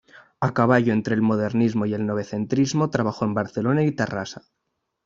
A caballo entre el modernismo y el novecentismo, trabajó en Barcelona y Tarrasa.